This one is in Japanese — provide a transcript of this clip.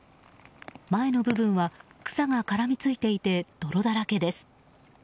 前の部分は草が絡みついていて泥だらけです。